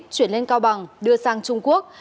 chuyển lên cao bằng đưa sang trung quốc